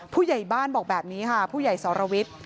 ผู้ใหญ่บ้านบอกแบบนี้ค่ะผู้ใหญ่สรวิทย์